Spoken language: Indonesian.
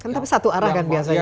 tapi satu arah kan biasanya kan